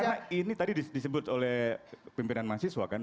karena ini tadi disebut oleh pimpinan mahasiswa kan